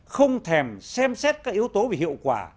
không thèm xem xét các yếu tố về hiệu quả